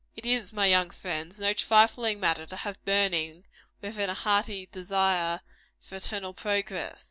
It is, my young friends, no trifling matter to have burning within a hearty desire for eternal progress.